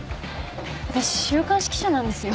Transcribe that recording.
私週刊誌記者なんですよ。